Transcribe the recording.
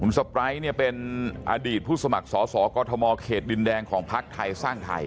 สไปร์เนี่ยเป็นอดีตผู้สมัครสอสอกอทมเขตดินแดงของพักไทยสร้างไทย